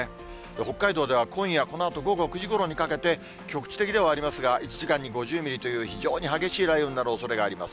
北海道では今夜このあと午後９時ごろにかけて、局地的ではありますが、１時間に５０ミリという非常に激しい雷雨になるおそれがあります。